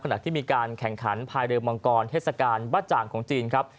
ขณะที่มีการแข่งขันภายเรือมังกรเทศกาลบ้าจ่างของจีนครับ